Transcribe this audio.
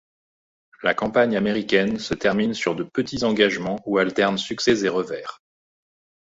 La campagne américaine se termine sur de petits engagements où alternent succès et revers.